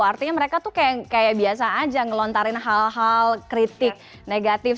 artinya mereka tuh kayak biasa aja ngelontarin hal hal kritik negatif